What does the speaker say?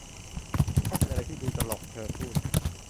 ช่างเป็นอะไรที่ดูตลก ! เธอพูด